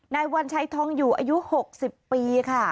นายวัญชัยทองอยู่อายุ๖๐ปีค่ะ